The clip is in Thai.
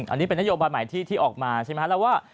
อันนี้เป็นนโยบายใหม่ที่ออกมาใช่ไหมแล้วว่า